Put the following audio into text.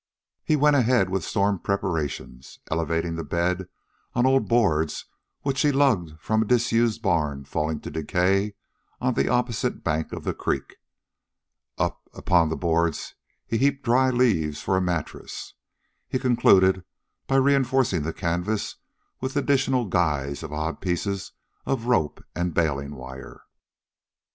He went ahead with storm preparations, elevating the bed on old boards which he lugged from a disused barn falling to decay on the opposite bank of the creek. Upon the boards he heaped dry leaves for a mattress. He concluded by reinforcing the canvas with additional guys of odd pieces of rope and bailing wire.